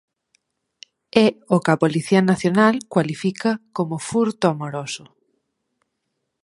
É o que a Policía Nacional cualifica como furto amoroso.